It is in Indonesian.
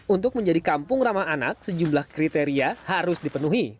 untuk menjadi kampung ramah anak sejumlah kriteria harus dipenuhi